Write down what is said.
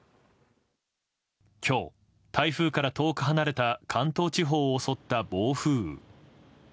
今日、台風から遠く離れた関東地方を襲った暴風雨。